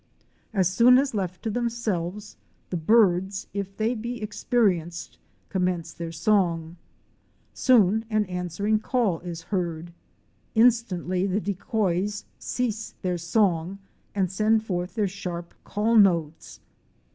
As soon as left to themselves, the birds, if they be experienced, com mence their song. Soon, an answering call is heard. In stantly the decoys cease their song, and send forth their sharp call notes.